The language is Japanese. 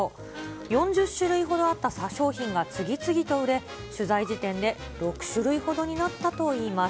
４０種類ほどあった商品が次々と売れ、取材時点で６種類ほどになったといいます。